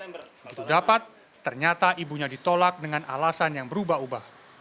begitu dapat ternyata ibunya ditolak dengan alasan yang berubah ubah